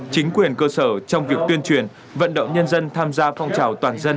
chính quyền cơ sở trong việc tuyên truyền vận động nhân dân tham gia phong trào toàn dân